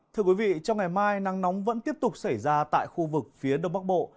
thưa quý vị trong ngày mai nắng nóng vẫn tiếp tục xảy ra tại khu vực phía đông bắc bộ